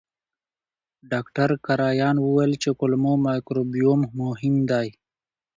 ډاکټر کرایان وویل چې کولمو مایکروبیوم مهم دی.